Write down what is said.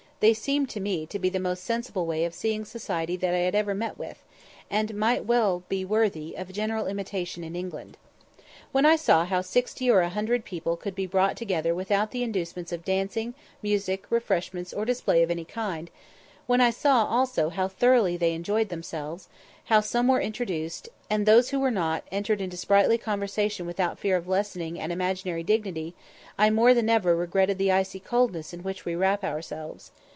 They seemed to me to be the most sensible way of seeing society that I ever met with, and might be well worthy of general imitation in England. When I saw how sixty or a hundred people could be brought together without the inducements of dancing, music, refreshments, or display of any kind; when I saw also how thoroughly they enjoyed themselves, how some were introduced, and those who were not entered into sprightly conversation without fear of lessening an imaginary dignity, I more than ever regretted the icy coldness in which we wrap ourselves.